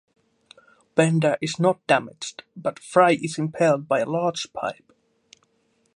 Bender is not damaged, but Fry is impaled by a large pipe.